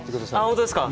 本当ですか？